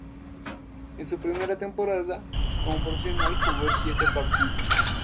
En su primera temporada como profesional jugó siete partidos.